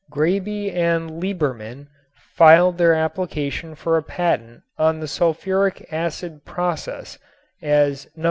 Graebe and Liebermann filed their application for a patent on the sulfuric acid process as No.